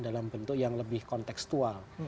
dalam bentuk yang lebih konteksual